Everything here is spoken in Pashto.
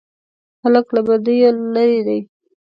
هلک له بدیو لیرې دی.